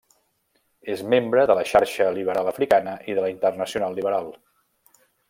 És membre de la Xarxa liberal africana i de la Internacional liberal.